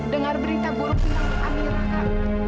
dengar berita buruk tentang amira kak